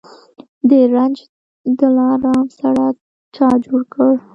د زرنج دلارام سړک چا جوړ کړ؟